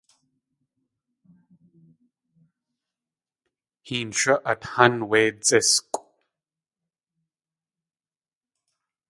Héen shú át hán wé dzískʼw.